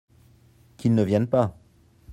Qu'ils ne viennent pas